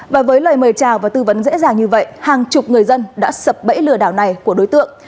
và với lời mời chào và tư vấn dễ dàng như vậy hàng chục người dân đã sập bẫy lừa đảo này của đối tượng